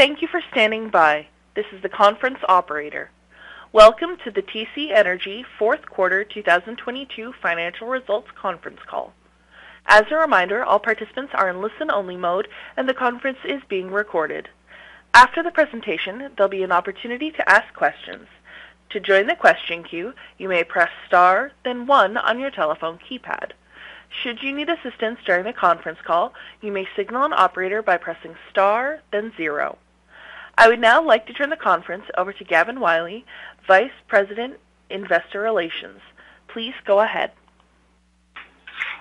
Thank you for standing by. This is the conference operator. Welcome to the TC Energy Fourth Quarter 2022 Financial Results Conference Call. As a reminder, all participants are in listen-only mode and the conference is being recorded. After the presentation, there'll be an opportunity to ask questions. To join the question queue, you may Press Star, then one on your telephone keypad. Should you need assistance during the conference call, you may signal an operator by pressing Star, then zero. I would now like to turn the conference over to Gavin Wylie, Vice President, Investor Relations. Please go ahead.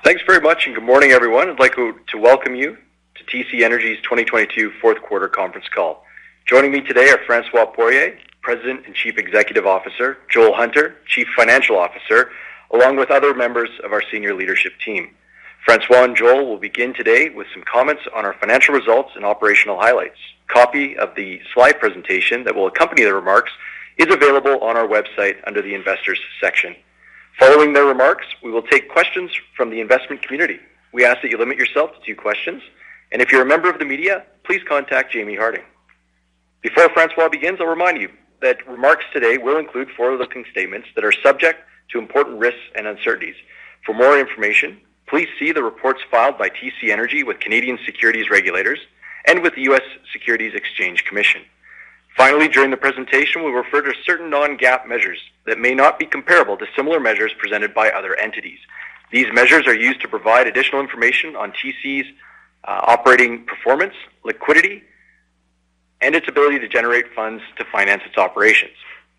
Thanks very much, and good morning, everyone. I'd like to welcome you to TC Energy's 2022 fourth quarter conference call. Joining me today are François Poirier, President and Chief Executive Officer, Joel Hunter, Chief Financial Officer, along with other members of our senior leadership team. François and Joel will begin today with some comments on our financial results and operational highlights. Copy of the slide presentation that will accompany the remarks is available on our website under the Investors section. Following their remarks, we will take questions from the investment community. We ask that you limit yourself to two questions, and if you're a member of the media, please contact Jaimie Harding. Before François begins, I'll remind you that remarks today will include forward-looking statements that are subject to important risks and uncertainties. For more information, please see the reports filed by TC Energy with Canadian Securities Regulators and with the U.S. Securities and Exchange Commission. Finally, during the presentation, we refer to certain non-GAAP measures that may not be comparable to similar measures presented by other entities. These measures are used to provide additional information on TC's operating performance, liquidity, and its ability to generate funds to finance its operations.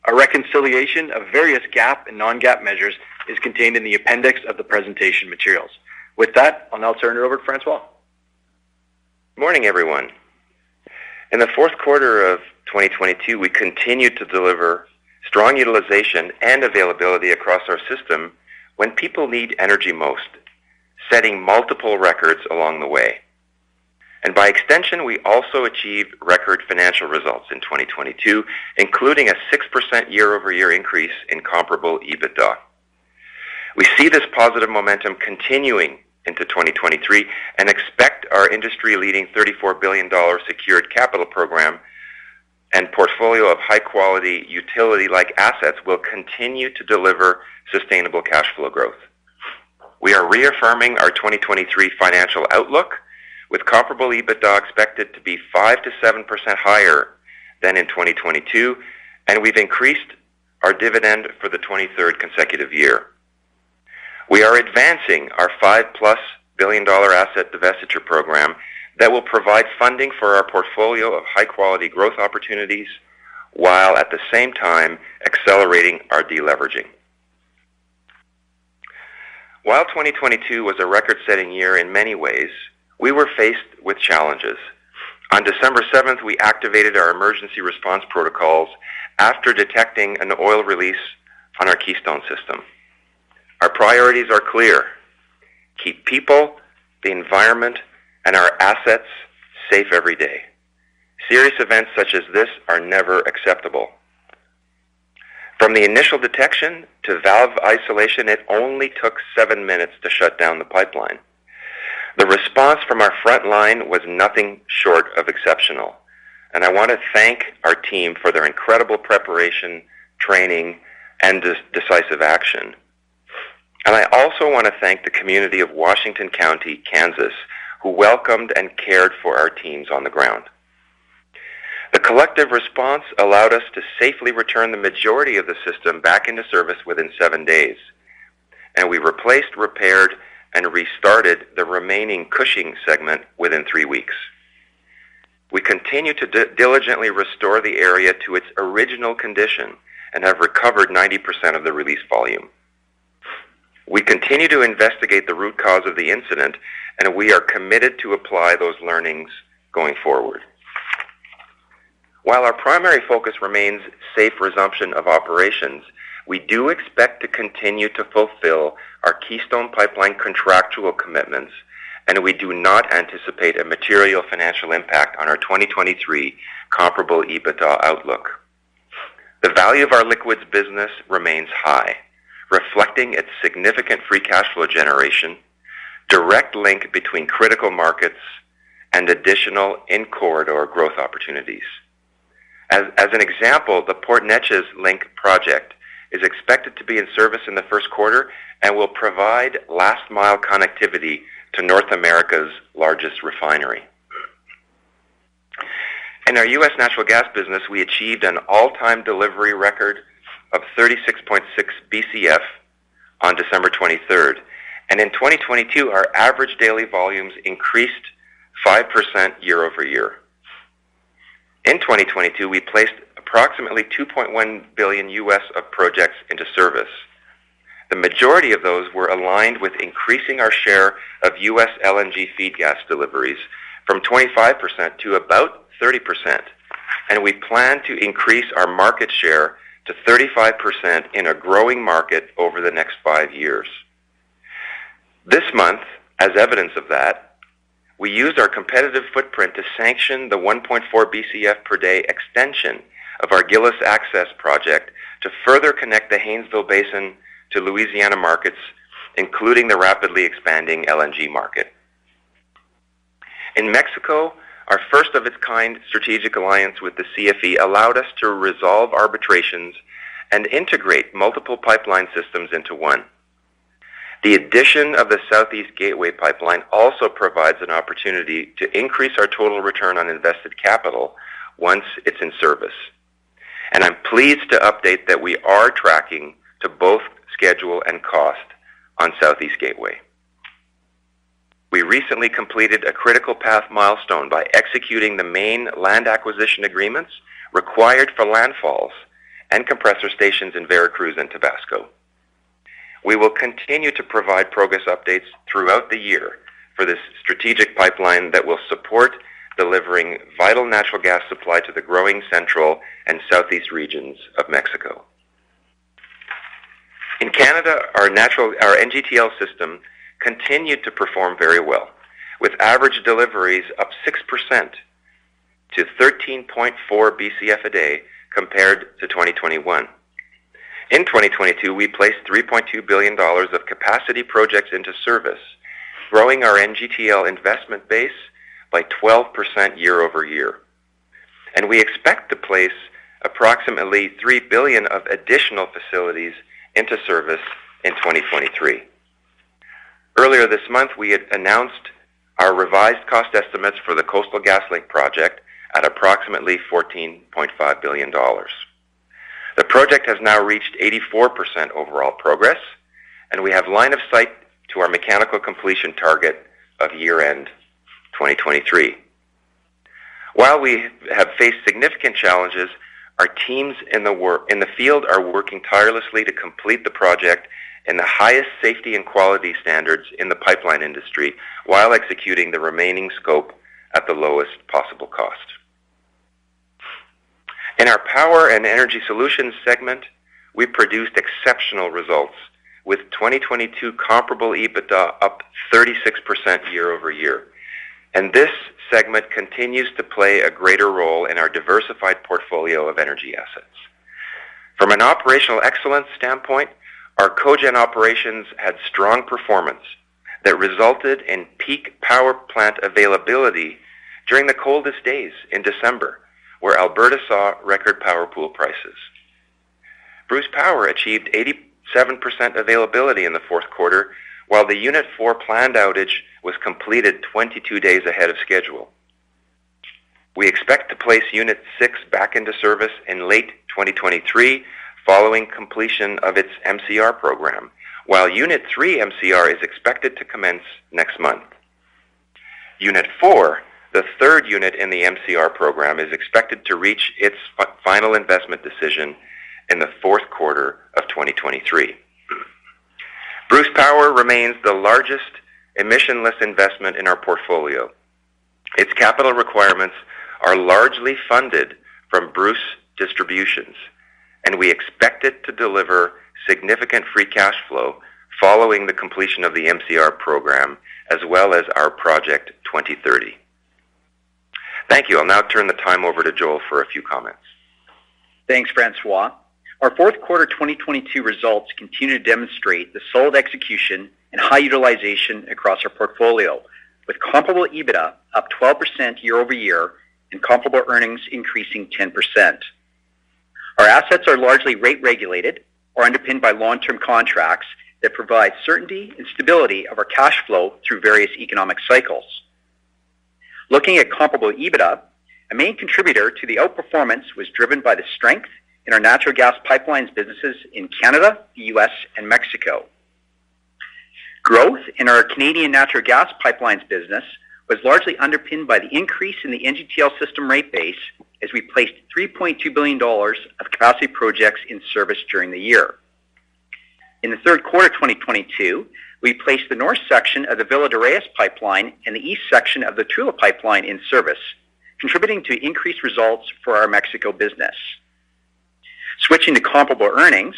A reconciliation of various GAAP and non-GAAP measures is contained in the appendix of the presentation materials. With that, I'll now turn it over to François. Morning, everyone. In the fourth quarter of 2022, we continued to deliver strong utilization and availability across our system when people need energy most, setting multiple records along the way. By extension, we also achieved record financial results in 2022, including a 6% year-over-year increase in comparable EBITDA. We see this positive momentum continuing into 2023 and expect our industry-leading 34 billion dollars secured capital program and portfolio of high-quality utility-like assets will continue to deliver sustainable cash flow growth. We are reaffirming our 2023 financial outlook, with comparable EBITDA expected to be 5%-7% higher than in 2022, and we've increased our dividend for the 23rd consecutive year. We are advancing our 5+ billion dollar asset divestiture program that will provide funding for our portfolio of high-quality growth opportunities, while at the same time accelerating our deleveraging. While 2022 was a record-setting year in many ways, we were faced with challenges. On December 7th, we activated our emergency response protocols after detecting an oil release on our Keystone system. Our priorities are clear: keep people, the environment, and our assets safe every day. Serious events such as this are never acceptable. From the initial detection to valve isolation, it only took seven minutes to shut down the pipeline. The response from our front line was nothing short of exceptional, I wanna thank our team for their incredible preparation, training, and decisive action. I also wanna thank the community of Washington County, Kansas, who welcomed and cared for our teams on the ground. The collective response allowed us to safely return the majority of the system back into service within seven days, and we replaced, repaired, and restarted the remaining Cushing segment within three weeks. We continue to diligently restore the area to its original condition and have recovered 90% of the release volume. We continue to investigate the root cause of the incident, and we are committed to apply those learnings going forward. While our primary focus remains safe resumption of operations, we do expect to continue to fulfill our Keystone Pipeline contractual commitments, and we do not anticipate a material financial impact on our 2023 comparable EBITDA outlook. The value of our liquids business remains high, reflecting its significant free cash flow generation, direct link between critical markets, and additional in-corridor growth opportunities. As an example, the Port Neches Link project is expected to be in service in the first quarter and will provide last-mile connectivity to North America's largest refinery. In our U.S. natural gas business, we achieved an all-time delivery record of 36.6 BCF on 23rd December. In 2022, our average daily volumes increased 5% year-over-year. In 2022, we placed approximately $2.1 billion of projects into service. The majority of those were aligned with increasing our share of U.S. LNG feed gas deliveries from 25% to about 30%, and we plan to increase our market share to 35% in a growing market over the next 5 years. This month, as evidence of that, we used our competitive footprint to sanction the 1.4 BCF per day extension of our Gillis Access project to further connect the Haynesville Basin to Louisiana markets, including the rapidly expanding LNG market. In Mexico, our first of its kind strategic alliance with the CFE allowed us to resolve arbitrations and integrate multiple pipeline systems into one. The addition of the Southeast Gateway pipeline also provides an opportunity to increase our total return on invested capital once it's in service. I'm pleased to update that we are tracking to both schedule and cost on Southeast Gateway. We recently completed a critical path milestone by executing the main land acquisition agreements required for landfalls and compressor stations in Veracruz and Tabasco. We will continue to provide progress updates throughout the year for this strategic pipeline that will support delivering vital natural gas supply to the growing central and southeast regions of Mexico. In Canada, our NGTL system continued to perform very well, with average deliveries up 6% to 13.4 BCF a day compared to 2021. In 2022, we placed 3.2 billion dollars of capacity projects into service, growing our NGTL investment base by 12% year-over-year. We expect to place approximately $3 billion of additional facilities into service in 2023. Earlier this month, we had announced our revised cost estimates for the Coastal GasLink project at approximately $14.5 billion. The project has now reached 84% overall progress, and we have line of sight to our mechanical completion target of year-end 2023. While we have faced significant challenges, our teams in the field are working tirelessly to complete the project in the highest safety and quality standards in the pipeline industry while executing the remaining scope at the lowest possible cost. In our Power and Energy Solutions segment, we produced exceptional results with 2022 comparable EBITDA up 36% year-over-year, and this segment continues to play a greater role in our diversified portfolio of energy assets. From an operational excellence standpoint, our cogen operations had strong performance that resulted in peak power plant availability during the coldest days in December, where Alberta saw record power pool prices. Bruce Power achieved 87% availability in the fourth quarter, while the unit four planned outage was completed 22 days ahead of schedule. We expect to place unit 6 back into service in late 2023 following completion of its MCR program, while unit three MCR is expected to commence next month. Unit four, the third unit in the MCR program, is expected to reach its final investment decision in the fourth quarter of 2023. Bruce Power remains the largest emissionless investment in our portfolio. We expect it to deliver significant free cash flow following the completion of the MCR program as well as our Project 2030. Thank you. I'll now turn the time over to Joel for a few comments. Thanks, François. Our fourth quarter 2022 results continue to demonstrate the solid execution and high utilization across our portfolio, with comparable EBITDA up 12% year-over-year and comparable earnings increasing 10%. Our assets are largely rate regulated or underpinned by long-term contracts that provide certainty and stability of our cash flow through various economic cycles. Looking at comparable EBITDA, a main contributor to the outperformance was driven by the strength in our natural gas pipelines businesses in Canada, U.S., and Mexico. Growth in our Canadian natural gas pipelines business was largely underpinned by the increase in the NGTL system rate base as we placed $3.2 billion of capacity projects in service during the year. In the 3rd quarter of 2022, we placed the north section of the Villa de Reyes pipeline and the east section of the Tula pipeline in service, contributing to increased results for our Mexico business. Switching to comparable earnings,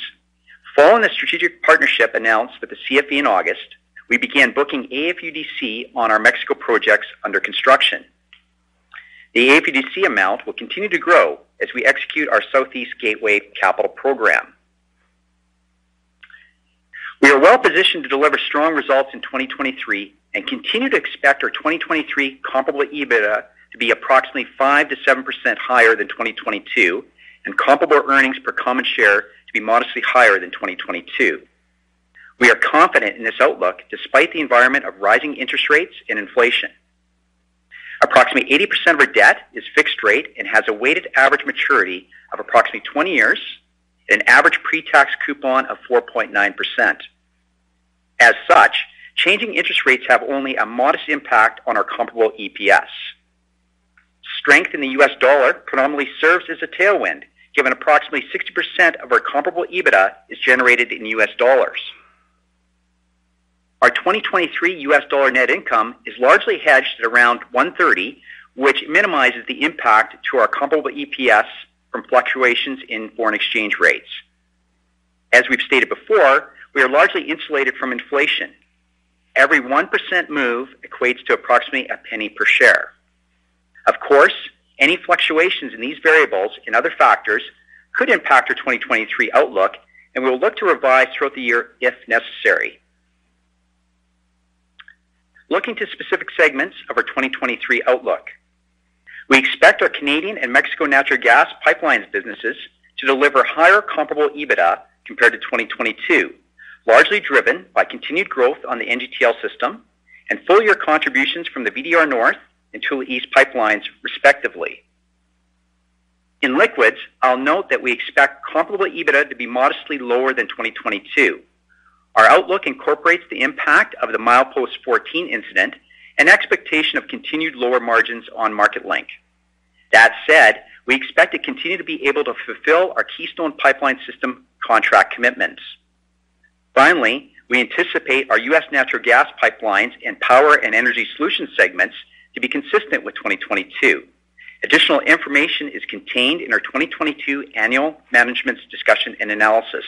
following the strategic partnership announced with the CFE in August, we began booking AFUDC on our Mexico projects under construction. The AFUDC amount will continue to grow as we execute our Southeast Gateway capital program. We are well-positioned to deliver strong results in 2023 and continue to expect our 2023 comparable EBITDA to be approximately 5%-7% higher than 2022 and comparable earnings per common share to be modestly higher than 2022. We are confident in this outlook despite the environment of rising interest rates and inflation. Approximately 80% of our debt is fixed rate and has a weighted average maturity of approximately 20 years and an average pre-tax coupon of 4.9%. As such, changing interest rates have only a modest impact on our comparable EPS. Strength in the U.S. dollar predominantly serves as a tailwind, given approximately 60% of our comparable EBITDA is generated in U.S. dollars. Our 2023 U.S. dollar net income is largely hedged at around 1.30, which minimizes the impact to our comparable EPS from fluctuations in foreign exchange rates. As we've stated before, we are largely insulated from inflation. Every 1% move equates to approximately CAD 0.01 per share. Of course, any fluctuations in these variables and other factors could impact our 2023 outlook, and we will look to revise throughout the year if necessary. Looking to specific segments of our 2023 outlook. We expect our Canadian and Mexico natural gas pipelines businesses to deliver higher comparable EBITDA compared to 2022, largely driven by continued growth on the NGTL system and full-year contributions from the VdR North and Tula East pipelines, respectively. In liquids, I'll note that we expect comparable EBITDA to be modestly lower than 2022. Our outlook incorporates the impact of the Milepost 14 incident and expectation of continued lower margins on market length. That said, we expect to continue to be able to fulfill our Keystone Pipeline system contract commitments. Finally, we anticipate our U.S. natural gas pipelines and Power and Energy Solutions segments to be consistent with 2022. Additional information is contained in our 2022 annual management's discussion and analysis.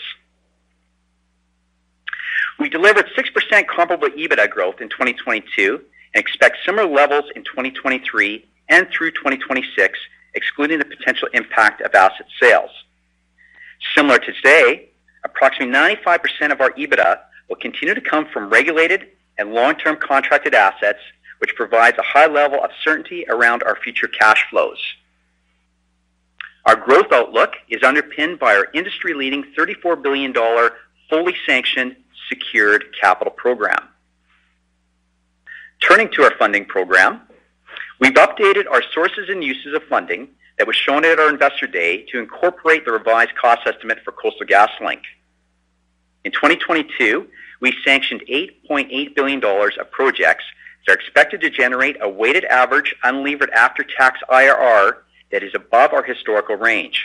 We delivered 6% comparable EBITDA growth in 2022 and expect similar levels in 2023 and through 2026, excluding the potential impact of asset sales. Similar to today, approximately 95% of our EBITDA will continue to come from regulated and long-term contracted assets, which provides a high level of certainty around our future cash flows. Our growth outlook is underpinned by our industry-leading 34 billion dollar, fully sanctioned, secured capital program. Turning to our funding program, we've updated our sources and uses of funding that was shown at our Investor Day to incorporate the revised cost estimate for Coastal GasLink. In 2022, we sanctioned 8.8 billion dollars of projects that are expected to generate a weighted average unlevered after-tax IRR that is above our historical range.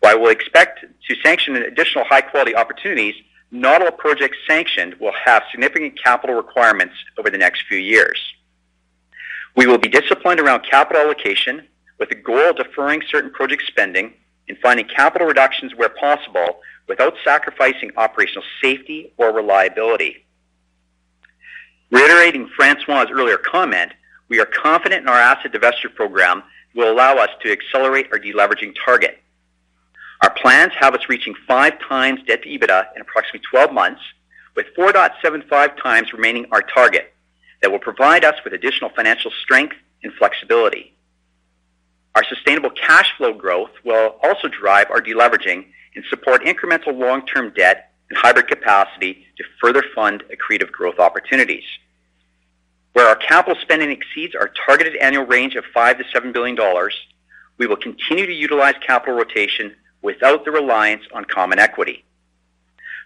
While we'll expect to sanction additional high-quality opportunities, not all projects sanctioned will have significant capital requirements over the next few years. We will be disciplined around capital allocation with the goal of deferring certain project spending and finding capital reductions where possible without sacrificing operational safety or reliability. Reiterating François' earlier comment, we are confident in our asset divestiture program will allow us to accelerate our deleveraging target. Our plans have us reaching 5x debt-to-EBITDA in approximately 12 months, with 4.75x remaining our target. That will provide us with additional financial strength and flexibility. Our sustainable cash flow growth will also drive our deleveraging and support incremental long-term debt and hybrid capacity to further fund accretive growth opportunities. Where our capital spending exceeds our targeted annual range of 5 billion-7 billion dollars, we will continue to utilize capital rotation without the reliance on common equity.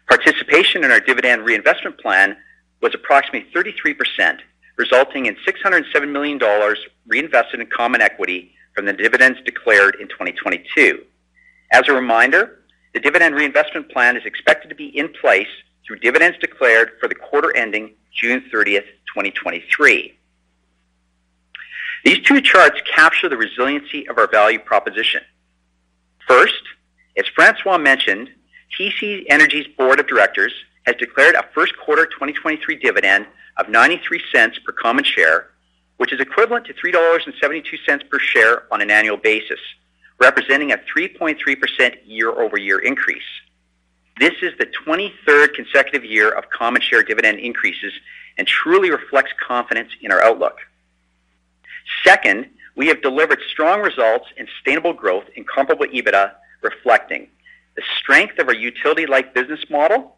Participation in our dividend reinvestment plan was approximately 33%, resulting in 607 million dollars reinvested in common equity from the dividends declared in 2022. As a reminder, the dividend reinvestment plan is expected to be in place through dividends declared for the quarter ending 30th June 2023. These two charts capture the resiliency of our value proposition. First, as François mentioned, TC Energy's board of directors has declared a first quarter 2023 dividend of 0.93 per common share, which is equivalent to 3.72 dollars per share on an annual basis, representing a 3.3% year-over-year increase. This is the 23rd consecutive year of common share dividend increases and truly reflects confidence in our outlook. Second, we have delivered strong results and sustainable growth in comparable EBITDA, reflecting the strength of our utility-like business model,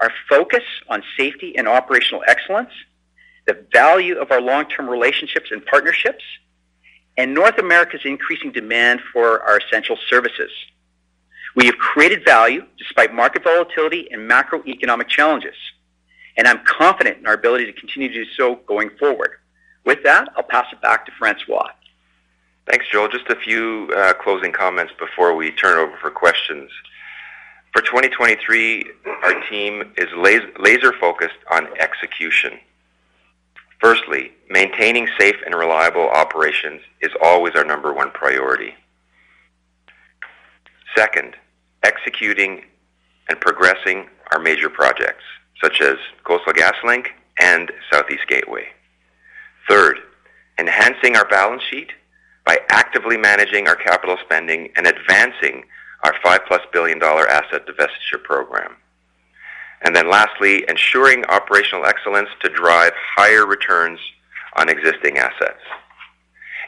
our focus on safety and operational excellence, the value of our long-term relationships and partnerships, and North America's increasing demand for our essential services. We have created value despite market volatility and macroeconomic challenges, and I'm confident in our ability to continue to do so going forward. With that, I'll pass it back to François. Thanks, Joel. Just a few closing comments before we turn over for questions. For 2023, our team is laser-focused on execution. Firstly, maintaining safe and reliable operations is always our number one priority. Second, executing and progressing our major projects, such as Coastal GasLink and Southeast Gateway. Third, enhancing our balance sheet by actively managing our capital spending and advancing our 5+ billion dollar asset divestiture program. Lastly, ensuring operational excellence to drive higher returns on existing assets.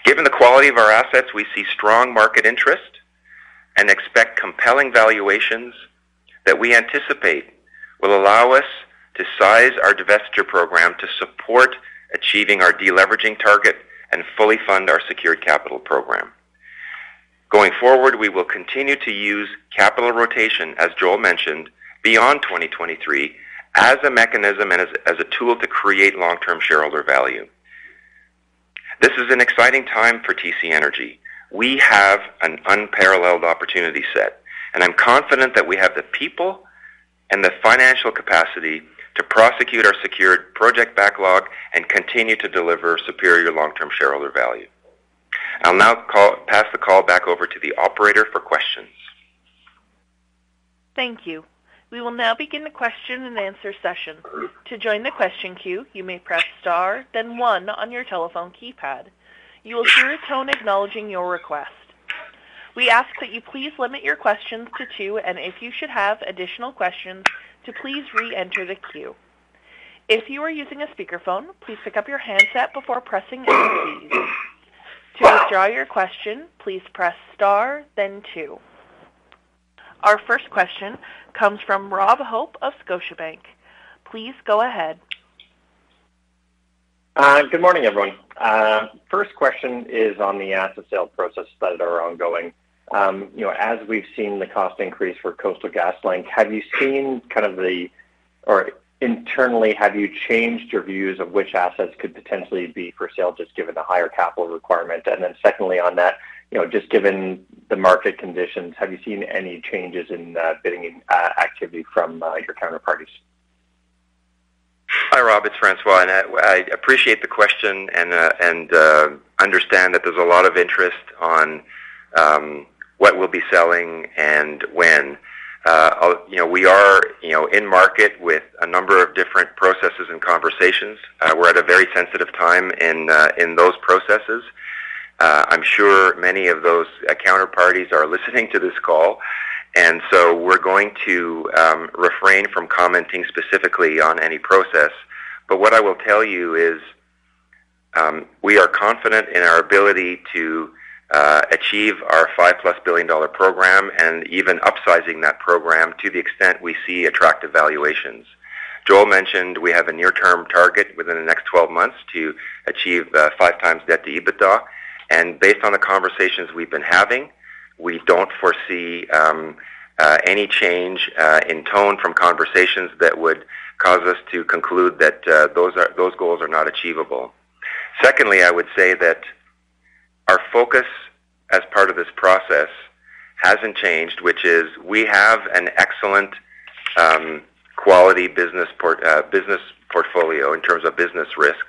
Given the quality of our assets, we see strong market interest and expect compelling valuations that we anticipate will allow us to size our divestiture program to support achieving our deleveraging target and fully fund our secured capital program. Going forward, we will continue to use capital rotation, as Joel mentioned, beyond 2023 as a mechanism and as a tool to create long-term shareholder value. This is an exciting time for TC Energy. We have an unparalleled opportunity set, and I'm confident that we have the people and the financial capacity to prosecute our secured project backlog and continue to deliver superior long-term shareholder value. I'll now pass the call back over to the operator for questions. Thank you. We will now begin the question and answer session. To join the question queue, you may press star then one on your telephone keypad. You will hear a tone acknowledging your request. We ask that you please limit your questions to two, and if you should have additional questions, to please re-enter the queue. If you are using a speakerphone, please pick up your handset before pressing any keys. To withdraw your question, please Press Star then two. Our first question comes from Rob Hope of Scotiabank. Please go ahead. Good morning, everyone. First question is on the asset sale process that are ongoing. You know, as we've seen the cost increase for Coastal GasLink, have you seen kind of or internally, have you changed your views of which assets could potentially be for sale, just given the higher capital requirement? Secondly on that, you know, just given the market conditions, have you seen any changes in bidding activity from your counterparties? Hi, Rob. It's François. I appreciate the question and understand that there's a lot of interest on what we'll be selling and when. You know, we are in market with a number of different processes and conversations. We're at a very sensitive time in those processes. I'm sure many of those counterparties are listening to this call, so we're going to refrain from commenting specifically on any process. What I will tell you is, we are confident in our ability to achieve our $5 billion+ program and even upsizing that program to the extent we see attractive valuations. Joel mentioned we have a near-term target within the next 12 months to achieve 5x debt-to-EBITDA. Based on the conversations we've been having, we don't foresee any change in tone from conversations that would cause us to conclude that those goals are not achievable. Secondly, I would say that our focus as part of this process hasn't changed, which is we have an excellent quality business portfolio in terms of business risk,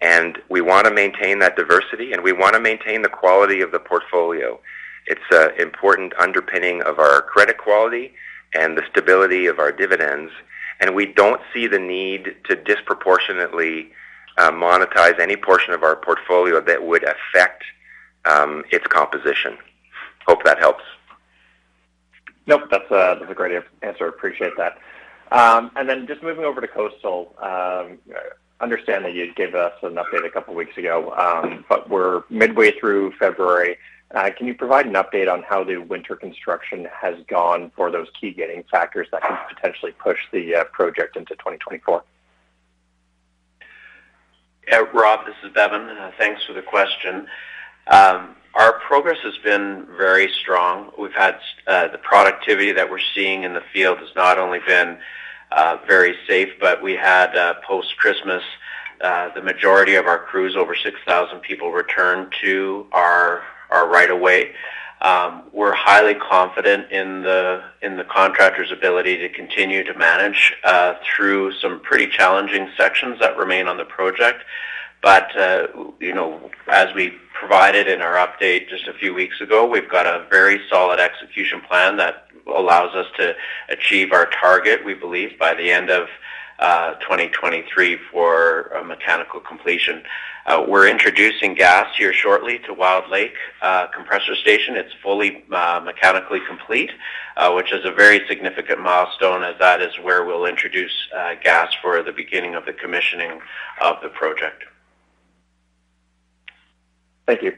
and we wanna maintain that diversity, and we wanna maintain the quality of the portfolio. It's an important underpinning of our credit quality and the stability of our dividends, and we don't see the need to disproportionately monetize any portion of our portfolio that would affect its composition. Hope that helps. Nope, that's a great answer. Appreciate that. Then just moving over to Coastal. Understand that you gave us an update a couple weeks ago, we're midway through February. Can you provide an update on how the winter construction has gone for those key gating factors that could potentially push the project into 2024? Yeah, Rob, this is Bevin. Thanks for the question. Our progress has been very strong. We've had the productivity that we're seeing in the field has not only been very safe, but we had post-Christmas the majority of our crews, over 6,000 people, return to our right of way. We're highly confident in the contractor's ability to continue to manage through some pretty challenging sections that remain on the project. You know, as we provided in our update just a few weeks ago, we've got a very solid execution plan that allows us to achieve our target, we believe, by the end of 2023 for a mechanical completion. We're introducing gas here shortly to Wildlake Compressor Station. It's fully mechanically complete, which is a very significant milestone as that is where we'll introduce gas for the beginning of the commissioning of the project. Thank you.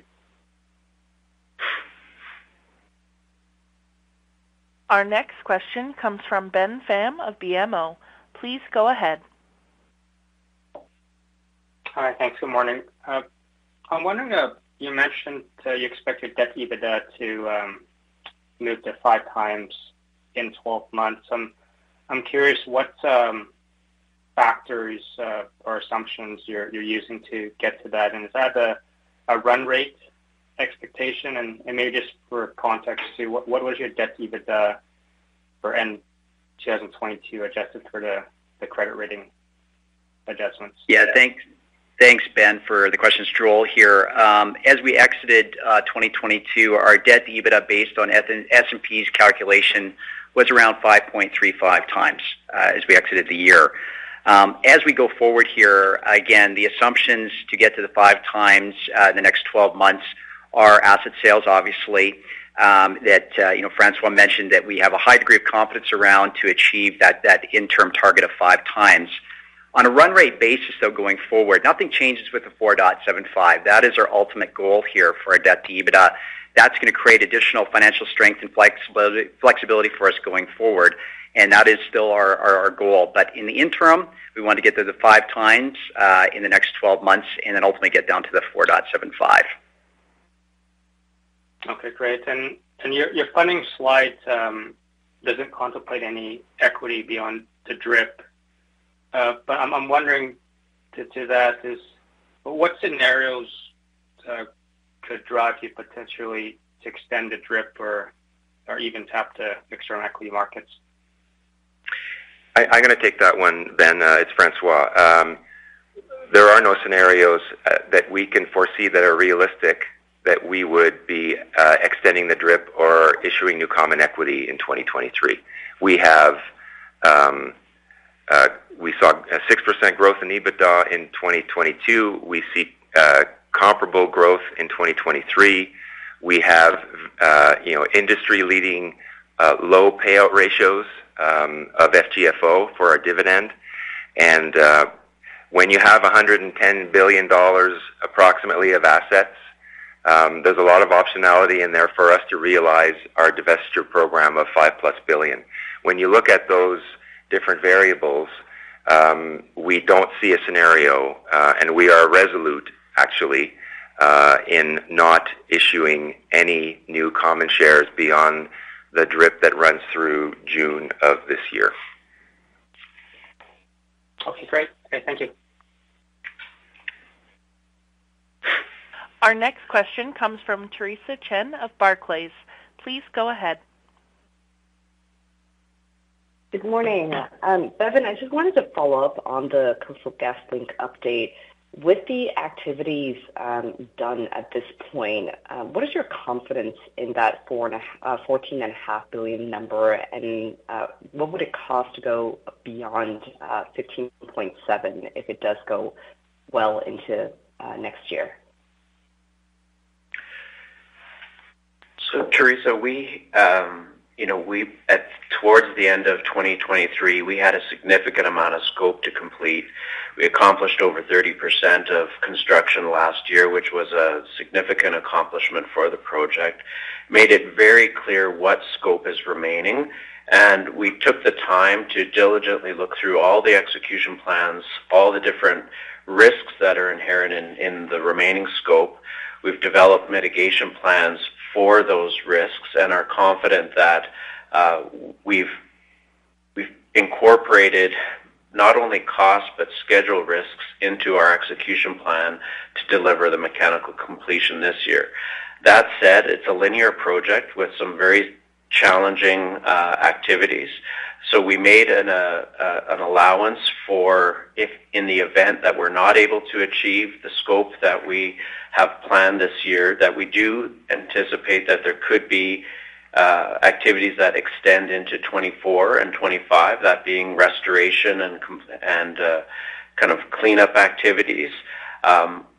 Our next question comes from Ben Pham of BMO. Please go ahead. Hi. Thanks. Good morning. I'm wondering, you mentioned that you expected debt-to-EBITDA to move to 5x in 12 months. I'm curious what factors or assumptions you're using to get to that. Is that a run rate expectation? Maybe just for context, too, what was your debt-to-EBITDA for end 2022 adjusted for the credit rating adjustments? Thanks, Ben, for the questions. Joel here. As we exited 2022, our debt to EBITDA based on S&P's calculation was around 5.35x as we exited the year. As we go forward here, again, the assumptions to get to the 5x the next 12 months are asset sales, obviously, that, you know, François mentioned that we have a high degree of confidence around to achieve that interim target of 5x. On a run rate basis, though, going forward, nothing changes with the 4.75. That is our ultimate goal here for our debt to EBITDA. That's gonna create additional financial strength and flexibility for us going forward, and that is still our goal. In the interim, we want to get to the 5x in the next 12 months and then ultimately get down to the 4.75x. Okay, great. Your, your funding slide, doesn't contemplate any equity beyond the DRIP. I'm wondering to that is what scenarios, could drive you potentially to extend the DRIP or even tap the external equity markets? I'm gonna take that one then. It's François. There are no scenarios that we can foresee that are realistic that we would be extending the DRIP or issuing new common equity in 2023. We saw a 6% growth in EBITDA in 2022. We see comparable growth in 2023. We have, you know, industry-leading, low payout ratios of AFFO for our dividend. When you have 110 billion dollars approximately of assets, there's a lot of optionality in there for us to realize our divestiture program of 5 billion+. When you look at those different variables, we don't see a scenario, and we are resolute actually, in not issuing any new common shares beyond the DRIP that runs through June of this year. Okay, great. Great. Thank you. Our next question comes from Theresa Chen of Barclays. Please go ahead. Good morning. Evan, I just wanted to follow up on the Coastal GasLink update. With the activities done at this point, what is your confidence in that fourteen and a half billion number, and what would it cost to go beyond 15.7 billion if it does go well into next year? Theresa, we, you know, towards the end of 2023, we had a significant amount of scope to complete. We accomplished over 30% of construction last year, which was a significant accomplishment for the project, made it very clear what scope is remaining, and we took the time to diligently look through all the execution plans, all the different risks that are inherent in the remaining scope. We've developed mitigation plans for those risks and are confident that we've incorporated not only cost, but schedule risks into our execution plan to deliver the mechanical completion this year. That said, it's a linear project with some very challenging activities. We made an allowance for if in the event that we're not able to achieve the scope that we have planned this year, that we do anticipate that there could be activities that extend into 2024 and 2025, that being restoration and kind of cleanup activities.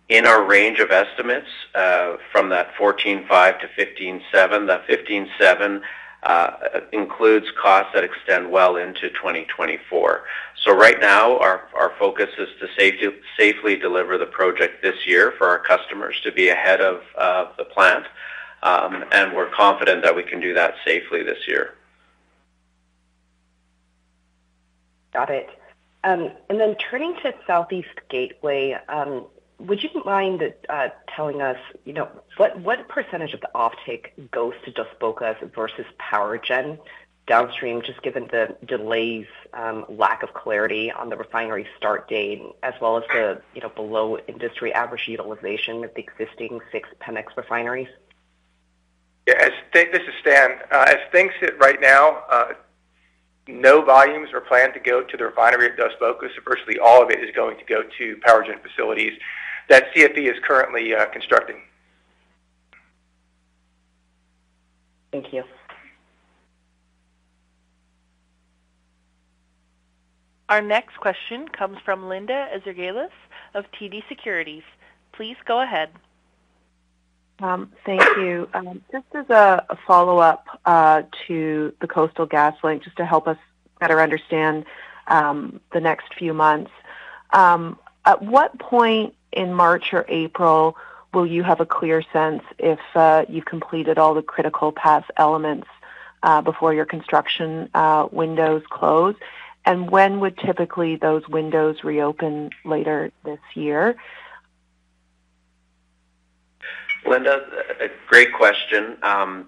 In our range of estimates from that $14.5-$15.7, that $15.7 includes costs that extend well into 2024. Right now, our focus is to safely deliver the project this year for our customers to be ahead of the plant, and we're confident that we can do that safely this year. Got it. Turning to Southeast Gateway, would you mind telling us, you know, what % of the offtake goes to Dos Bocas versus power gen downstream, just given the delays, lack of clarity on the refinery start date, as well as the, you know, below industry average utilization of the existing six Pemex refineries? Yeah. This is Stan. As things sit right now, no volumes are planned to go to the refinery at Dos Bocas. Virtually all of it is going to go to power gen facilities that CFE is currently constructing. Thank you. Our next question comes from Linda Ezergailis of TD Securities. Please go ahead. Thank you. Just as a follow-up to the Coastal GasLink, just to help us better understand the next few months. At what point in March or April will you have a clear sense if you completed all the critical path elements before your construction windows close? When would typically those windows reopen later this year? Linda, a great question.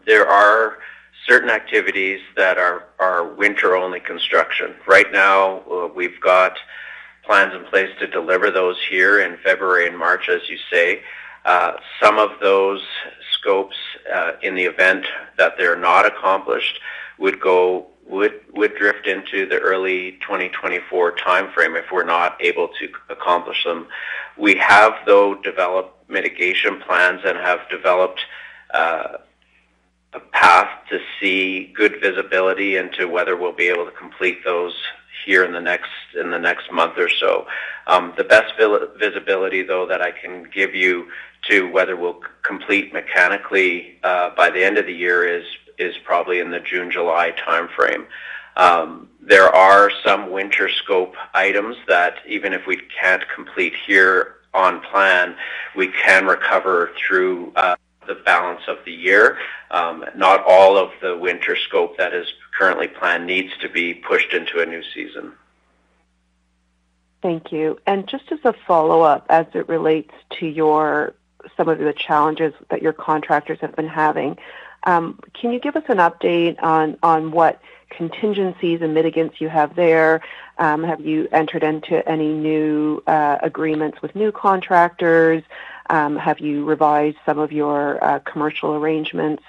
There are certain activities that are winter-only construction. Right now, we've got plans in place to deliver those here in February and March, as you say. Some of those scopes, in the event that they're not accomplished, would drift into the early 2024 timeframe if we're not able to accomplish them. We have, though, developed mitigation plans and have developed a path to see good visibility into whether we'll be able to complete those here in the next month or so. The best visibility though that I can give you to whether we'll complete mechanically, by the end of the year is probably in the June-July timeframe. There are some winter scope items that even if we can't complete here on plan, we can recover through the balance of the year. Not all of the winter scope that is currently planned needs to be pushed into a new season. Thank you. Just as a follow-up, as it relates to some of the challenges that your contractors have been having, can you give us an update on what contingencies and mitigants you have there? Have you entered into any new agreements with new contractors? Have you revised some of your commercial arrangements?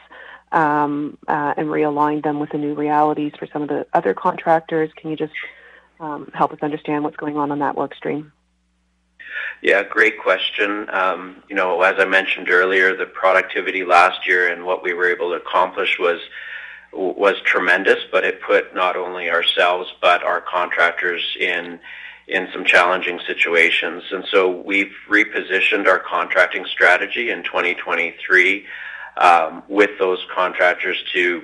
Realign them with the new realities for some of the other contractors. Can you just help us understand what's going on in that work stream? Yeah, great question. you know, as I mentioned earlier, the productivity last year and what we were able to accomplish was tremendous, but it put not only ourselves, but our contractors in some challenging situations. we've repositioned our contracting strategy in 2023 with those contractors to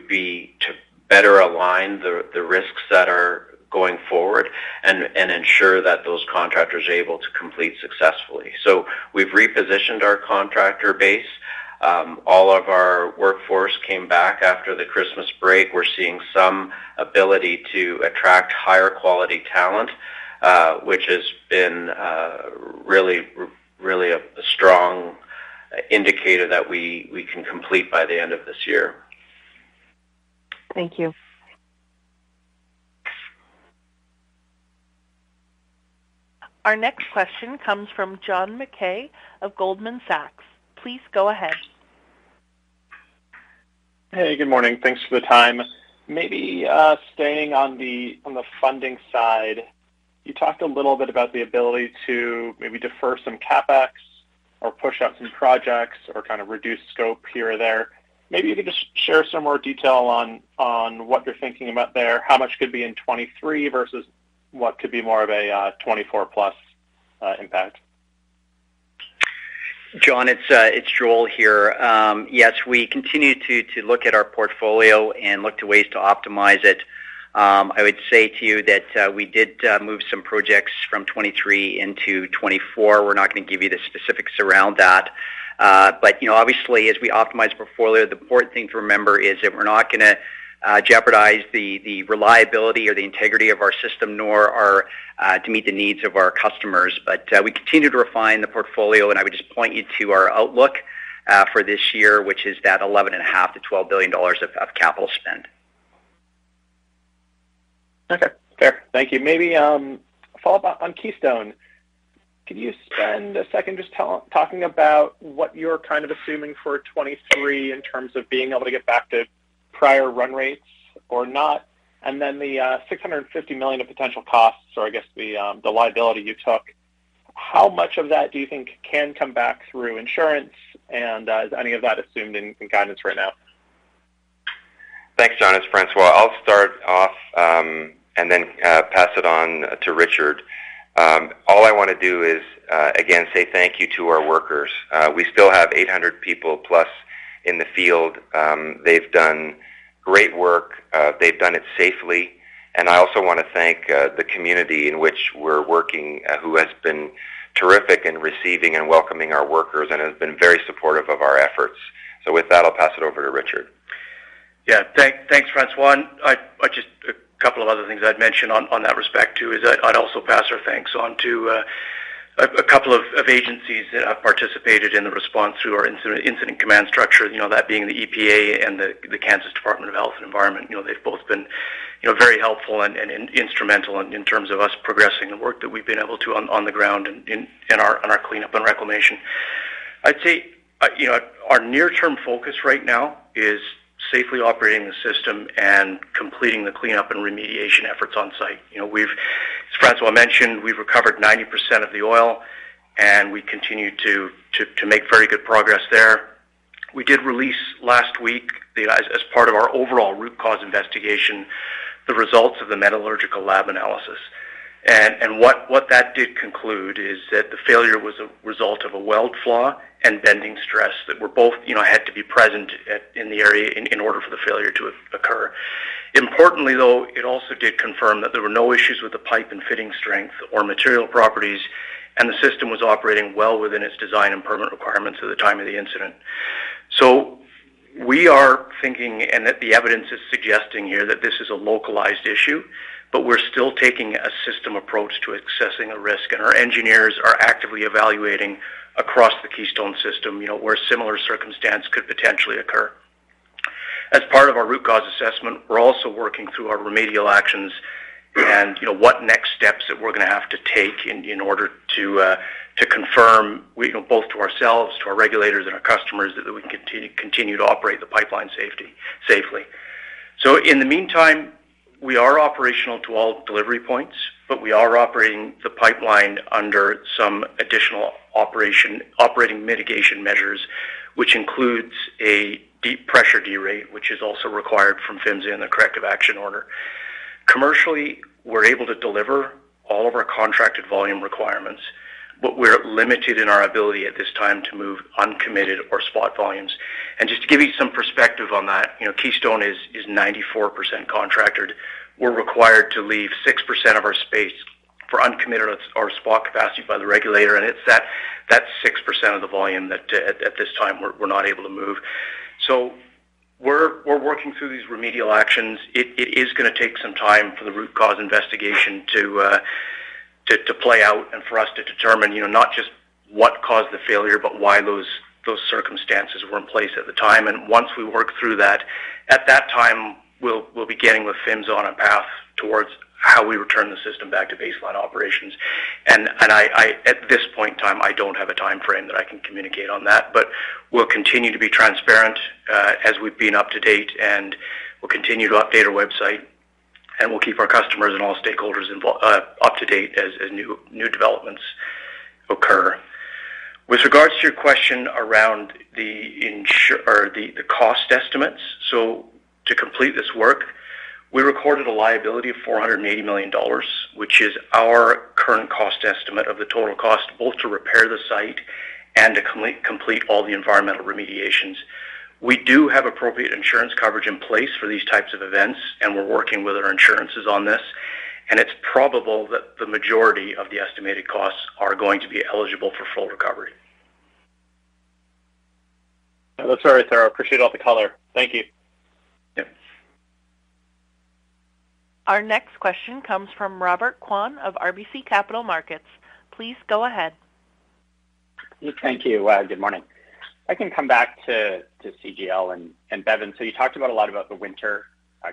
better align the risks that are going forward and ensure that those contractors are able to complete successfully. we've repositioned our contractor base. all of our workforce came back after the Christmas break. We're seeing some ability to attract higher quality talent, which has been a strong indicator that we can complete by the end of this year. Thank you. Our next question comes from John Mackay of Goldman Sachs. Please go ahead. Hey, good morning. Thanks for the time. Maybe, staying on the, on the funding side, you talked a little bit about the ability to maybe defer some CapEx or push out some projects or kind of reduce scope here or there. Maybe you can just share some more detail on what you're thinking about there. How much could be in 2023 versus what could be more of a, 2024-plus impact? John, it's Joel here. Yes, we continue to look at our portfolio and look to ways to optimize it. I would say to you that we did move some projects from 2023 into 2024. We're not gonna give you the specifics around that. You know, obviously, as we optimize portfolio, the important thing to remember is that we're not gonna jeopardize the reliability or the integrity of our system, nor our to meet the needs of our customers. We continue to refine the portfolio, and I would just point you to our outlook for this year, which is that 11.5 billion-12 billion dollars of capital spend. Okay. Fair. Thank you. Maybe, a follow-up on Keystone. Could you spend a second just talking about what you're kind of assuming for 2023 in terms of being able to get back to prior run rates or not? The $650 million of potential costs or I guess the liability you took, how much of that do you think can come back through insurance? Is any of that assumed in guidance right now? Thanks, John. It's François. I'll start off, and then pass it on to Richard. All I wanna do is again, say thank you to our workers. We still have 800 people plus in the field. They've done great work. They've done it safely. I also wanna thank the community in which we're working, who has been terrific in receiving and welcoming our workers and has been very supportive of our efforts. With that, I'll pass it over to Richard. Thanks, François. A couple of other things I'd mention on that respect, too, is I'd also pass our thanks on to a couple of agencies that have participated in the response through our incident command structure, you know, that being the EPA and the Kansas Department of Health and Environment. They've both been, you know, very helpful and instrumental in terms of us progressing the work that we've been able to on the ground in our cleanup and reclamation. I'd say, you know, our near-term focus right now is safely operating the system and completing the cleanup and remediation efforts on site. As François mentioned, we've recovered 90% of the oil, and we continue to make very good progress there. We did release last week as part of our overall root cause investigation, the results of the metallurgical lab analysis. What that did conclude is that the failure was a result of a weld flaw and bending stress that were both, you know, had to be present in the area in order for the failure to occur. Importantly, though, it also did confirm that there were no issues with the pipe and fitting strength or material properties, and the system was operating well within its design and permit requirements at the time of the incident. We are thinking, and that the evidence is suggesting here, that this is a localized issue, but we're still taking a system approach to assessing a risk, and our engineers are actively evaluating across the Keystone system, you know, where a similar circumstance could potentially occur. As part of our root cause assessment, we're also working through our remedial actions and, you know, what next steps that we're gonna have to take in order to confirm we, you know, both to ourselves, to our regulators and our customers that we continue to operate the pipeline safely. In the meantime, we are operational to all delivery points, but we are operating the pipeline under some additional operating mitigation measures, which includes a deep pressure derate, which is also required from PHMSA in the Corrective Action Order. Commercially, we're able to deliver all of our contracted volume requirements, but we're limited in our ability at this time to move uncommitted or spot volumes. Just to give you some perspective on that, you know, Keystone is 94% contracted. We're required to leave 6% of our space for uncommitted or spot capacity by the regulator, it's that 6% of the volume that at this time we're not able to move. We're working through these remedial actions. It is gonna take some time for the root cause investigation to play out and for us to determine, you know, not just what caused the failure, but why those circumstances were in place at the time. Once we work through that At that time, we'll be getting with PHMSA on a path towards how we return the system back to baseline operations. At this point in time, I don't have a timeframe that I can communicate on that, but we'll continue to be transparent, as we've been up to date, and we'll continue to update our website, and we'll keep our customers and all stakeholders up to date as new developments occur. With regards to your question around the cost estimates, to complete this work, we recorded a liability of $480 million, which is our current cost estimate of the total cost, both to repair the site and to complete all the environmental remediations. We do have appropriate insurance coverage in place for these types of events. We're working with our insurances on this. It's probable that the majority of the estimated costs are going to be eligible for full recovery. That's very thorough. Appreciate all the color. Thank you. Yep. Our next question comes from Robert Kwan of RBC Capital Markets. Please go ahead. Thank you. Good morning. If I can come back to CGL and Bevin. You talked about a lot about the winter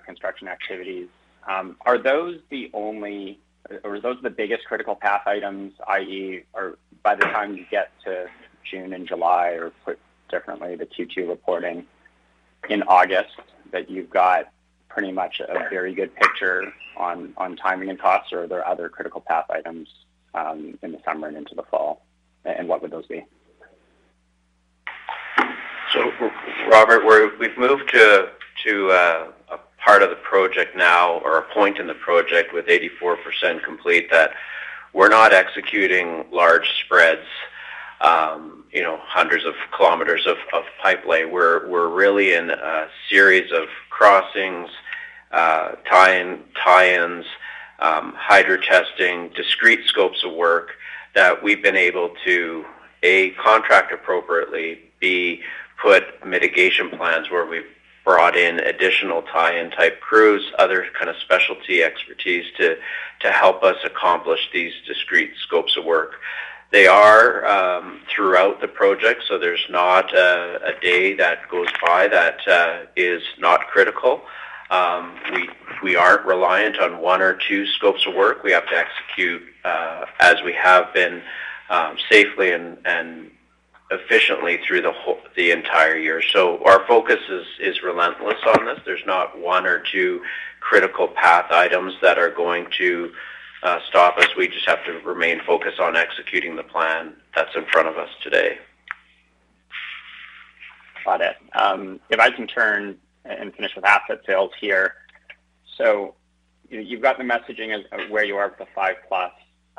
construction activities. Are those the only or are those the biggest critical path items i.e., or by the time you get to June and July or put differently, the Q2 reporting in August, that you've got pretty much a very good picture on timing and costs? Are there other critical path items in the summer and into the fall? What would those be? Robert, we've moved to a part of the project now or a point in the project with 84% complete that we're not executing large spreads, you know, hundreds of kilometers of pipelay. We're really in a series of crossings, tie-in-tie-ins, hydro testing, discrete scopes of work that we've been able to, A, contract appropriately, B, put mitigation plans where we've brought in additional tie-in type crews, other kind of specialty expertise to help us accomplish these discrete scopes of work. They are throughout the project, so there's not a day that goes by that is not critical. We aren't reliant on one or two scopes of work. We have to execute as we have been safely and efficiently through the entire year. Our focus is relentless on this. There's not one or two critical path items that are going to stop us. We just have to remain focused on executing the plan that's in front of us today. Got it. If I can turn and finish with asset sales here. You've got the messaging of where you are with the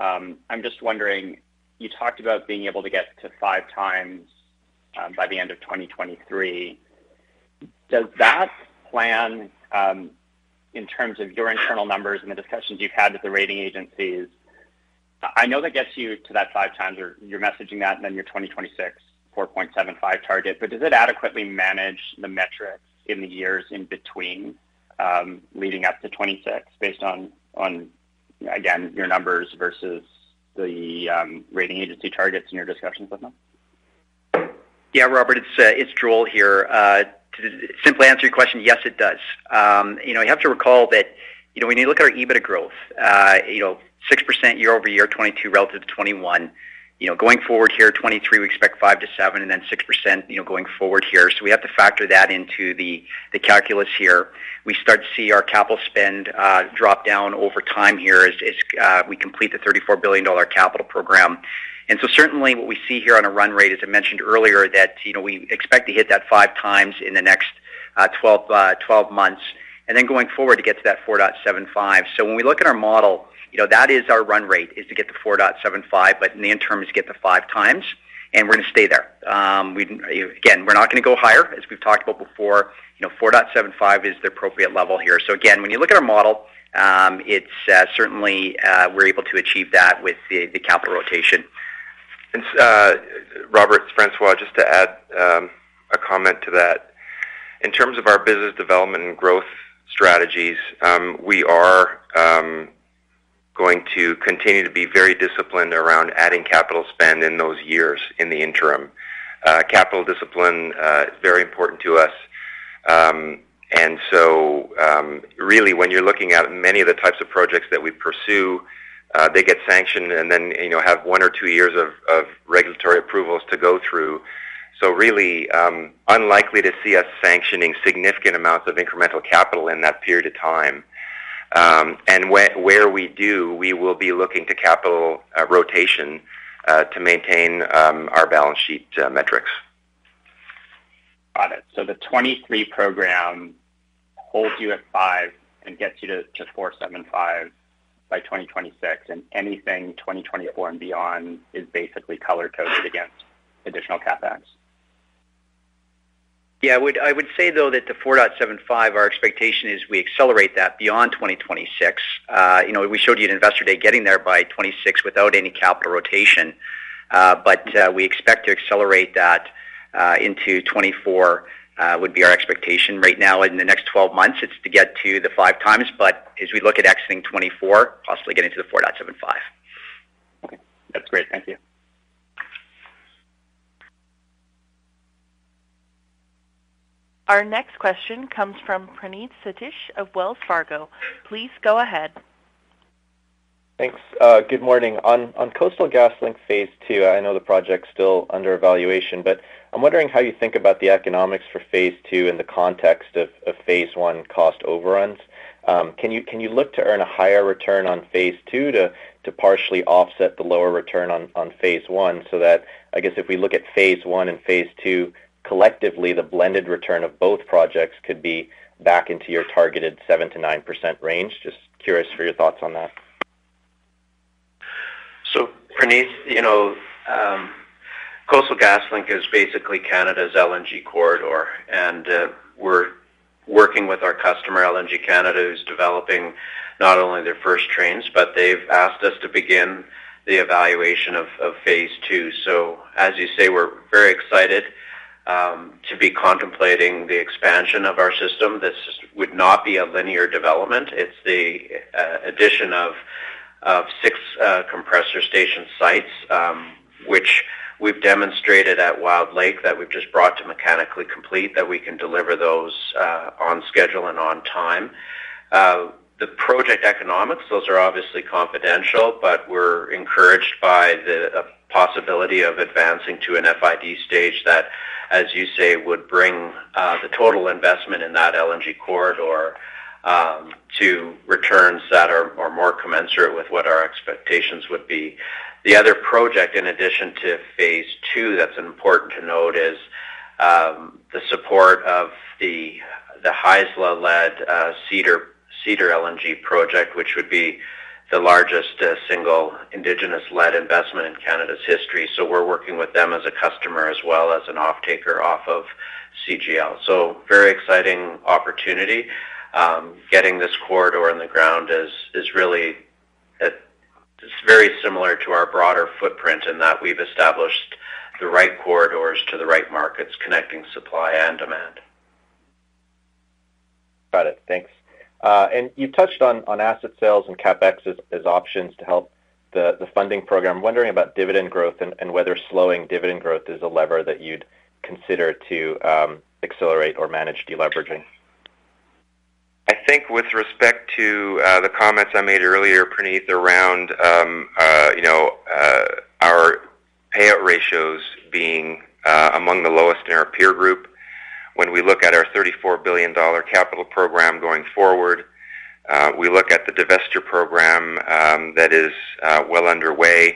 5+. I'm just wondering, you talked about being able to get to 5x by the end of 2023. Does that plan, in terms of your internal numbers and the discussions you've had with the rating agencies, I know that gets you to that 5x, you're messaging that and then your 2026 4.75 target, but does it adequately manage the metrics in the years in between, leading up to 26 based on, again, your numbers versus the rating agency targets in your discussions with them? Yeah, Robert, it's Joel here. To simply answer your question, yes, it does. You know, you have to recall that, you know, when you look at our EBITDA growth, 6% year-over-year, 2022 relative to 2021. You know, going forward here, 2023, we expect 5%-7% and then 6%, you know, going forward here. We have to factor that into the calculus here. We start to see our capital spend drop down over time here as we complete the 34 billion dollar capital program. Certainly what we see here on a run rate, as I mentioned earlier, that, you know, we expect to hit that 5x in the next 12 months, and then going forward to get to that 4.75. When we look at our model, you know, that is our run rate, is to get to 4.75, but in the interim is get the 5x, and we're gonna stay there. Again, we're not gonna go higher, as we've talked about before. You know, 4.75 is the appropriate level here. Again, when you look at our model, it's certainly we're able to achieve that with the capital rotation. Robert, it's François. Just to add a comment to that. In terms of our business development and growth strategies, we are going to continue to be very disciplined around adding capital spend in those years in the interim. Capital discipline is very important to us. Really when you're looking at many of the types of projects that we pursue, they get sanctioned and then, you know, have one or two years of regulatory approvals to go through. Really unlikely to see us sanctioning significant amounts of incremental capital in that period of time. Where we do, we will be looking to capital rotation to maintain our balance sheet metrics. Got it. the 23 program holds you at 5 and gets you to 4.75 by 2026, and anything 2024 and beyond is basically color-coded against additional CapEx. Yeah. I would say though that the 4.75, our expectation is we accelerate that beyond 2026. You know, we showed you at Investor Day getting there by 2026 without any capital rotation. We expect to accelerate that into 2024 would be our expectation right now. In the next 12 months, it's to get to the 5x, but as we look at exiting 2024, possibly getting to the 4.75. Our next question comes from Praneeth Satish of Wells Fargo. Please go ahead. Thanks. Good morning. On Coastal GasLink phase two, I know the project's still under evaluation, but I'm wondering how you think about the economics for phase two in the context of phase one cost overruns. Can you look to earn a higher return on phase two to partially offset the lower return on phase one, so that, I guess, if we look at phase one and phase two, collectively, the blended return of both projects could be back into your targeted 7%-9% range? Just curious for your thoughts on that. Praneeth, you know, Coastal GasLink is basically Canada's LNG corridor, and we're working with our customer, LNG Canada, who's developing not only their first trains, but they've asked us to begin the evaluation of phase two. As you say, we're very excited to be contemplating the expansion of our system. This would not be a linear development. It's the addition of six compressor station sites, which we've demonstrated at Wildlake that we've just brought to mechanically complete, that we can deliver those on schedule and on time. The project economics, those are obviously confidential, but we're encouraged by the possibility of advancing to an FID stage that, as you say, would bring the total investment in that LNG corridor to returns that are more commensurate with what our expectations would be. The other project, in addition to phase two that's important to note, is, the support of the Haisla-led Cedar LNG project, which would be the largest single indigenous-led investment in Canada's history. We're working with them as a customer as well as an offtaker off of CGL. Very exciting opportunity. Getting this corridor in the ground is really very similar to our broader footprint in that we've established the right corridors to the right markets, connecting supply and demand. Got it. Thanks. You touched on asset sales and CapEx as options to help the funding program. I'm wondering about dividend growth and whether slowing dividend growth is a lever that you'd consider to accelerate or manage deleveraging. I think with respect to the comments I made earlier, Praneeth, around our payout ratios being among the lowest in our peer group, when we look at our 34 billion dollar capital program going forward, we look at the divestiture program that is well underway.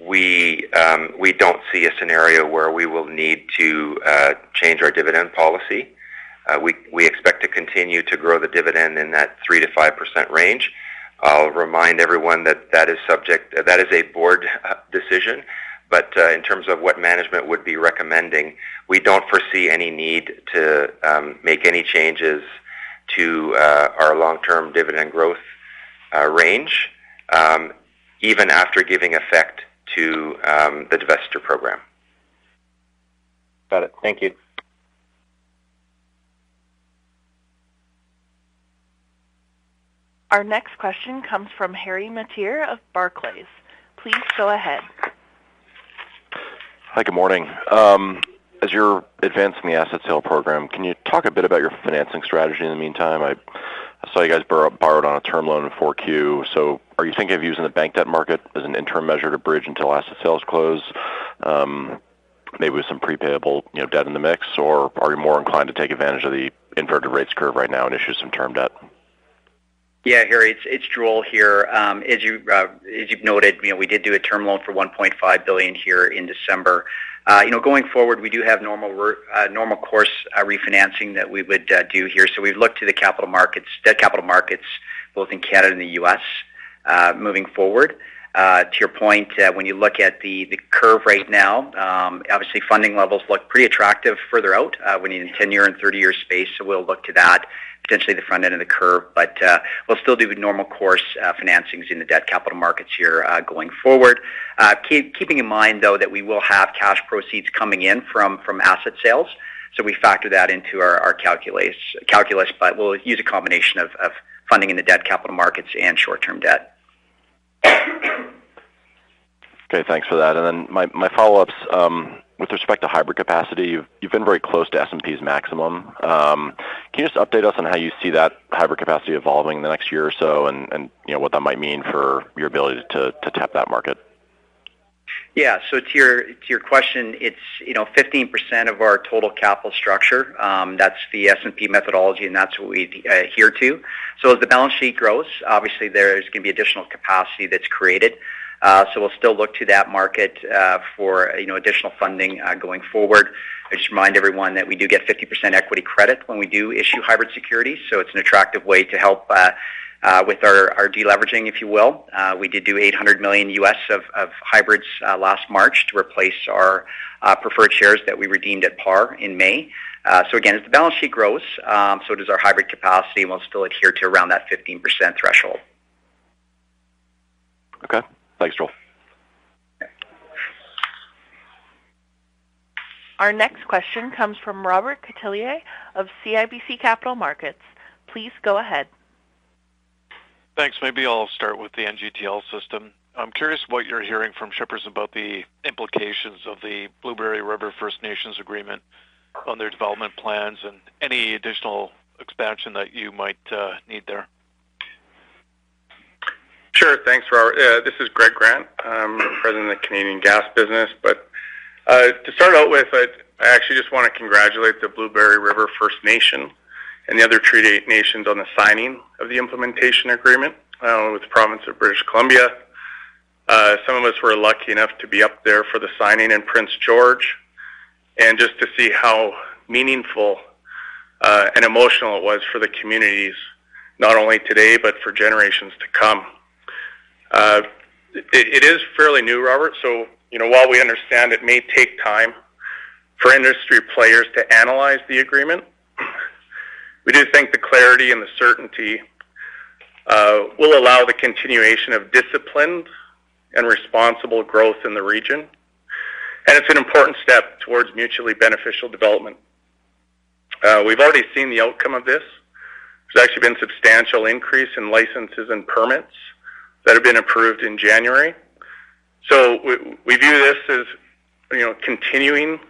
We don't see a scenario where we will need to change our dividend policy. We expect to continue to grow the dividend in that 3%-5% range. I'll remind everyone that that is a board decision. In terms of what management would be recommending, we don't foresee any need to make any changes to our long-term dividend growth range, even after giving effect to the divestiture program. Got it. Thank you. Our next question comes from Harry Mateer of Barclays. Please go ahead. Hi, good morning. As you're advancing the asset sale program, can you talk a bit about your financing strategy in the meantime? I saw you guys borrowed on a term loan in 4Q. Are you thinking of using the bank debt market as an interim measure to bridge until asset sales close, maybe with some pre-payable, you know, debt in the mix? Or are you more inclined to take advantage of the inverted rates curve right now and issue some term debt? Yeah, Harry, it's Joel here. As you've noted, you know, we did do a term loan for $1.5 billion here in December. You know, going forward, we do have normal course refinancing that we would do here. We'd look to the capital markets, debt capital markets, both in Canada and the U.S., moving forward. To your point, when you look at the curve right now, obviously funding levels look pretty attractive further out, when you're in 10-year and 30-year space. We'll look to that, potentially the front end of the curve. We'll still do normal course financings in the debt capital markets here, going forward. Keeping in mind, though, that we will have cash proceeds coming in from asset sales. We factor that into our calculus, but we'll use a combination of funding in the debt capital markets and short-term debt. Okay, thanks for that. My follow-ups, with respect to hybrid capacity, you've been very close to S&P's maximum. Can you just update us on how you see that hybrid capacity evolving in the next year or so and, you know, what that might mean for your ability to tap that market? To your question, it's 15% of our total capital structure. That's the S&P methodology, and that's what we adhere to. As the balance sheet grows, obviously there's going to be additional capacity that's created. We'll still look to that market for additional funding going forward. I just remind everyone that we do get 50% equity credit when we do issue hybrid securities, so it's an attractive way to help with our deleveraging, if you will. We did do $800 million of hybrids last March to replace our preferred shares that we redeemed at par in May. Again, as the balance sheet grows, so does our hybrid capacity, and we'll still adhere to around that 15% threshold. Okay. Thanks, Joel. Our next question comes from Robert Catellier of CIBC Capital Markets. Please go ahead. Thanks. Maybe I'll start with the NGTL system. I'm curious what you're hearing from shippers about the implications of the Blueberry River First Nations agreement on their development plans and any additional expansion that you might need there? Sure. Thanks, Robert. This is Greg Grant. I'm President of Canadian Gas Business. To start out with, I actually just want to congratulate the Blueberry River First Nation and the other Treaty eight nations on the signing of the implementation agreement with the province of British Columbia. Some of us were lucky enough to be up there for the signing in Prince George, and just to see how meaningful and emotional it was for the communities, not only today, but for generations to come. It is fairly new, Robert. You know, while we understand it may take time for industry players to analyze the agreement, we do think the clarity and the certainty will allow the continuation of disciplined and responsible growth in the region, and it's an important step towards mutually beneficial development. We've already seen the outcome of this. There's actually been substantial increase in licenses and permits that have been approved in January. We view this as, you know, continuing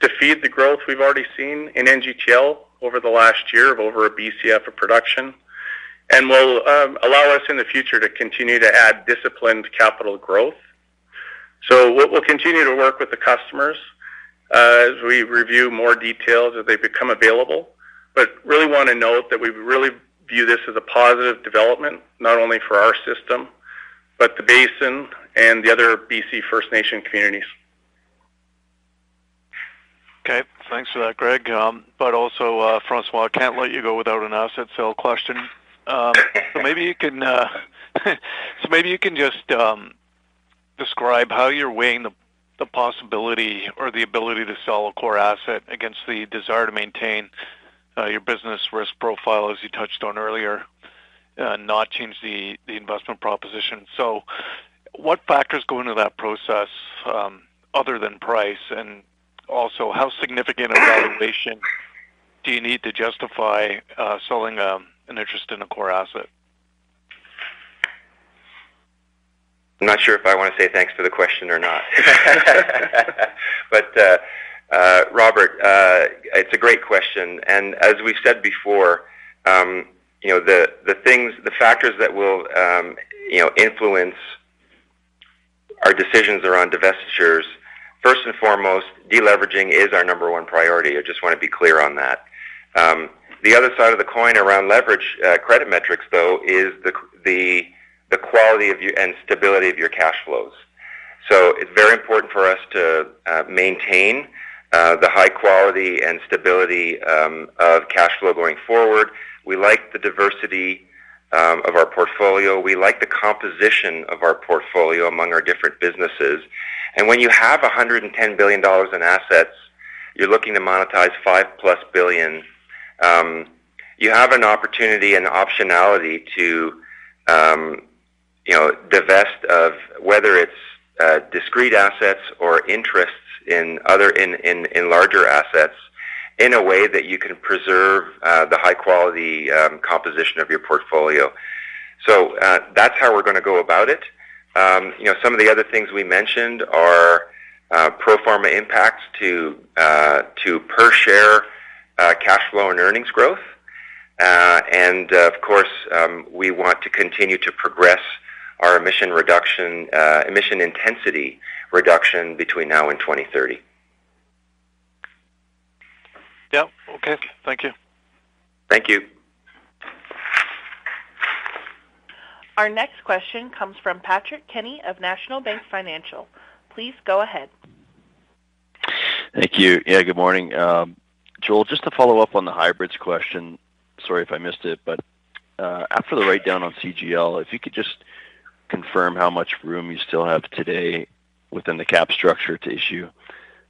to feed the growth we've already seen in NGTL over the last year of over a BCF of production, and will allow us in the future to continue to add disciplined capital growth. We'll continue to work with the customers as we review more details as they become available. Really wanna note that we really view this as a positive development, not only for our system, but the basin and the other BC First Nation communities. Okay. Thanks for that, Greg. Also, François, I can't let you go without an asset sale question. Maybe you can just describe how you're weighing the possibility or the ability to sell a core asset against the desire to maintain your business risk profile, as you touched on earlier, not change the investment proposition. What factors go into that process, other than price? Also, how significant a valuation do you need to justify selling an interest in a core asset? I'm not sure if I wanna say thanks for the question or not. Robert, it's a great question, and as we said before, you know, the factors that will, you know, influence our decisions around divestitures, first and foremost, deleveraging is our number one priority. I just wanna be clear on that. The other side of the coin around leverage, credit metrics, though, is the quality of your, and stability of your cash flows. It's very important for us to maintain the high quality and stability of cash flow going forward. We like the diversity of our portfolio. We like the composition of our portfolio among our different businesses. When you have 110 billion dollars in assets, you're looking to monetize 5+ billion, you have an opportunity and optionality to, you know, divest of whether it's discrete assets or interests in other larger assets in a way that you can preserve the high quality composition of your portfolio. That's how we're gonna go about it. You know, some of the other things we mentioned are pro forma impacts to per share cash flow and earnings growth. Of course, we want to continue to progress our emission reduction, emission intensity reduction between now and 2030. Yep. Okay. Thank you. Thank you. Our next question comes from Patrick Kenny of National Bank Financial. Please go ahead. Thank you. Yeah, good morning. Joel, just to follow up on the hybrids question, sorry if I missed it, but after the write-down on CGL, if you could just confirm how much room you still have today within the cap structure to issue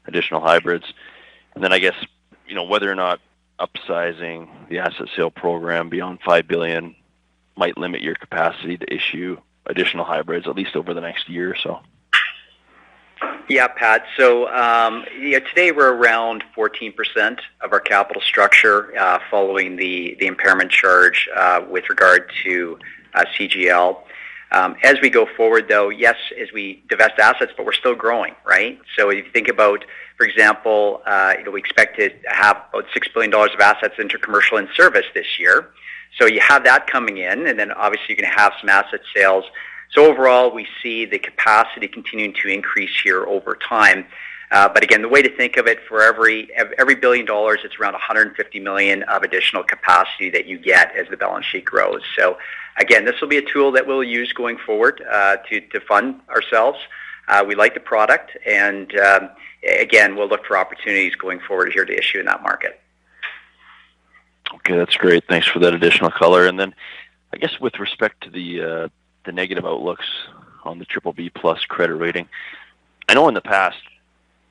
additional hybrids. Then I guess, you know, whether or not upsizing the asset sale program beyond $5 billion might limit your capacity to issue additional hybrids at least over the next year or so. Pat. Today we're around 14% of our capital structure, following the impairment charge with regard to CGL. As we go forward, though, yes, as we divest assets, but we're still growing, right? If you think about, for example, you know, we expect to have about $6 billion of assets into commercial and service this year. You have that coming in, and then obviously you're gonna have some asset sales. Overall, we see the capacity continuing to increase here over time. But again, the way to think of it Every $1 billion, it's around $150 million of additional capacity that you get as the balance sheet grows. Again, this will be a tool that we'll use going forward to fund ourselves. We like the product, again, we'll look for opportunities going forward here to issue in that market. Okay, that's great. Thanks for that additional color. Then I guess with respect to the negative outlooks on the BBB+ credit rating, I know in the past,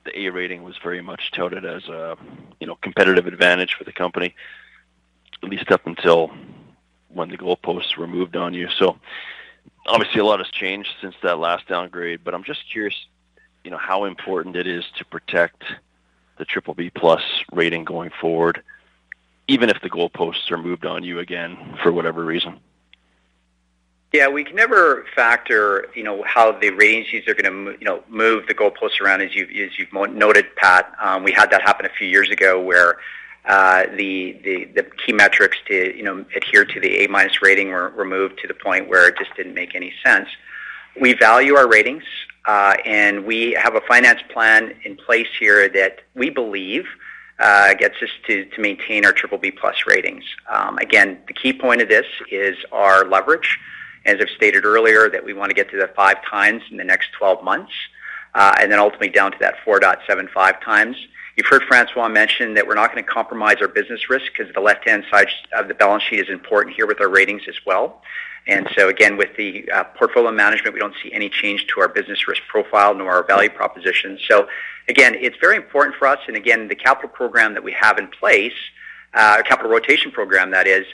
the A rating was very much touted as a, you know, competitive advantage for the company, at least up until when the goalposts were moved on you. Obviously, a lot has changed since that last downgrade, but I'm just curious, you know, how important it is to protect the BBB+ rating going forward, even if the goalposts are moved on you again for whatever reason. We can never factor, you know, how the ratings, these are gonna you know, move the goalposts around as you've, as you've noted, Pat. We had that happen a few years ago where the key metrics to, you know, adhere to the A- rating were moved to the point where it just didn't make any sense. We value our ratings, and we have a finance plan in place here that we believe gets us to maintain our BBB+ ratings. The key point of this is our leverage, as I've stated earlier, that we wanna get to the 5x in the next 12 months, and then ultimately down to that 4.75x. You've heard François mention that we're not gonna compromise our business risk 'cause the left-hand side of the balance sheet is important here with our ratings as well. Again, with the portfolio management, we don't see any change to our business risk profile nor our value proposition. Again, it's very important for us, and again, the capital program that we have in place, our capital rotation program that is,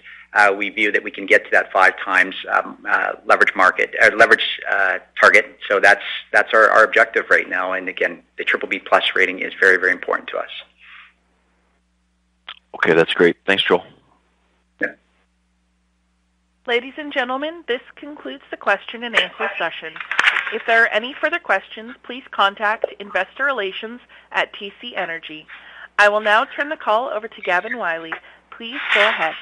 we view that we can get to that 5x leverage target. That's our objective right now. Again, the BBB+ rating is very important to us. Okay, that's great. Thanks, Joel. Yeah. Ladies and gentlemen, this concludes the question-and-answer session. If there are any further questions, please contact investor relations at TC Energy. I will now turn the call over to Gavin Wylie. Please go ahead.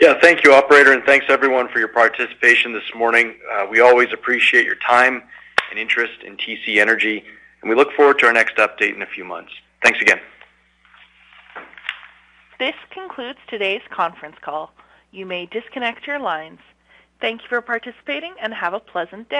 Yeah. Thank you, operator, and thanks everyone for your participation this morning. We always appreciate your time and interest in TC Energy, and we look forward to our next update in a few months. Thanks again. This concludes today's Conference Call. You may disconnect your lines. Thank you for participating, and have a pleasant day.